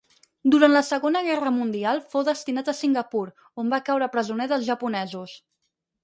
Durant la segona guerra mundial fou destinat a Singapur, on va caure presoner dels japonesos.